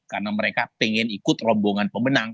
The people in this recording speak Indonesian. karena mereka ingin ikut rombongan pemenang